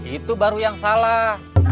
itu baru yang salah